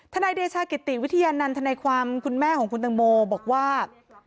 นายเดชากิติวิทยานันทนายความคุณแม่ของคุณตังโมบอกว่า